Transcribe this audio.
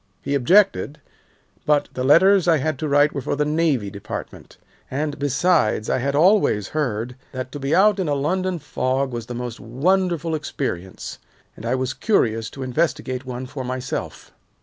He objected, but the letters I had to write were for the Navy Department, and, besides, I had always heard that to be out in a London fog was the most wonderful experience, and I was curious to investigate one for myself.